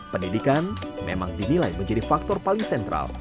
pendidikan memang dinilai menjadi faktor paling sentral